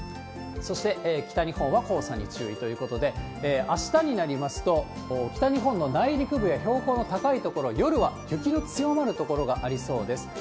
そして、北日本は黄砂に注意ということで、あしたになりますと、北日本の内陸部や標高の高い所、夜は雪の強まる所がありそうです。